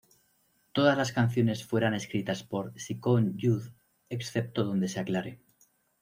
Todas las canciones fueran escritas por Ciccone Youth, excepto donde se aclare.